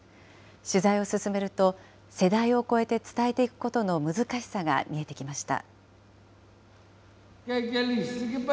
取材を進めると、世代を超えて伝えていくことの難しさが見えてきました。